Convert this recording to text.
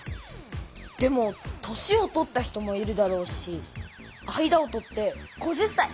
でも年を取った人もいるだろうし間を取って５０才！